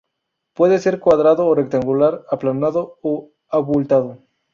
Puede ser cuadrado o rectangular, aplanado o abultado.